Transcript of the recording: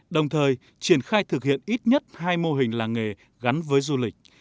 đồng thời triển khai thực hiện ít nhất hai mô hình làng nghề gắn với du lịch